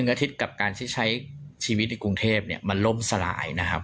อาทิตย์กับการที่ใช้ชีวิตในกรุงเทพมันล่มสลายนะครับ